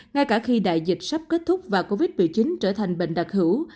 ngay cả khi đại dịch sắp kết thúc và covid một mươi chín trở thành bệnh đặc hữu